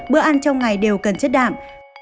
bữa ăn trong ngày đều cần chất đạm